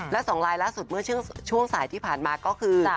และ๒ลายล่าสุดเมื่อช่วงสายที่ผ่านมาก็คือ